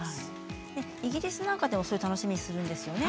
イギリスなんかでもそういう楽しみ方をするんですね。